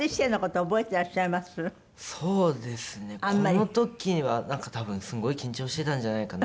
この時はなんか多分すごい緊張してたんじゃないかな。